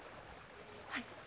はい。